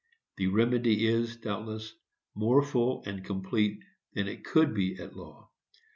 The remedy is, doubtless, more full and complete than it could be at law.